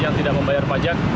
yang tidak membayar pajak